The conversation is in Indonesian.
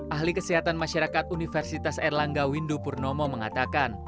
ahli kesehatan masyarakat universitas erlangga windu purnomo mengatakan